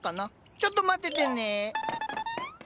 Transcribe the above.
ちょっと待っててね。